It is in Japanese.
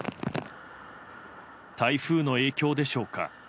台風の影響でしょうか。